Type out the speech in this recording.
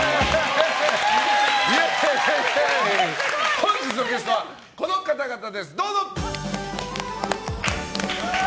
本日のゲストはこの方々です！